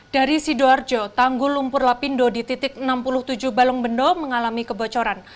dari sidoarjo tanggul lumpur lapindo di titik enam puluh tujuh balongbendo mengalami kebocoran